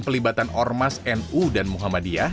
pelibatan ormas nu dan muhammadiyah